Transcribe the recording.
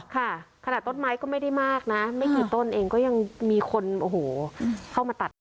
ค่ะขนาดต้นไม้ก็ไม่ได้มากนะไม่กี่ต้นเองก็ยังมีคนโอ้โหเข้ามาตัด